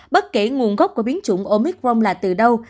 bất kể nguồn gốc của biến chủng omicrom là từ đâu